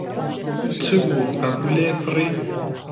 چ بوو پەپوولەیەک فڕی